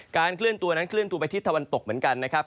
เคลื่อนตัวนั้นเคลื่อนตัวไปทิศตะวันตกเหมือนกันนะครับ